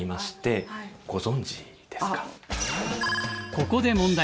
ここで問題！